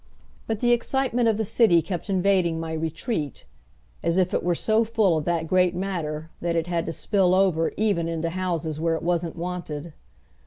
But the excitement of the city kept invading my retreat, as if it were so full of that great matter that it had to spill over even into houses where it wasn't wanted.